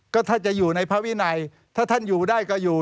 ก็ถ้าจะอยู่ในภาวินัยถ้าท่านอยู่ได้ก็อยู่